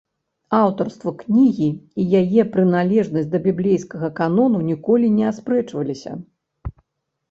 Аўтарства кнігі і яе прыналежнасць да біблейскага канону ніколі не аспрэчваліся.